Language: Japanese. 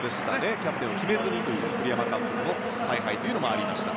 キャプテンを決めずにという栗山監督の采配もありました。